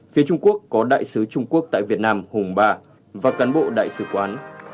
phía trung quốc có đại sứ trung quốc tại việt nam hùng ba và cán bộ đại sứ quán